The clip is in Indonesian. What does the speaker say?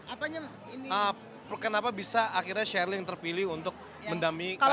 apanya kenapa bisa akhirnya shirley yang terpilih untuk mendampingi kahiyang